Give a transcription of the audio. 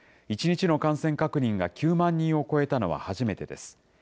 １日の感染確認が９万人を超えたのは初めてです。